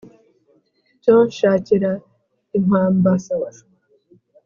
cyo nshakira impammba